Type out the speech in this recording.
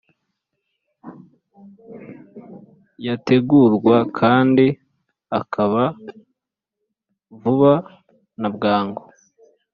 yategurwa kandi akaba vuba na bwangu